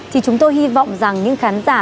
thì chúng tôi hy vọng rằng những khán giả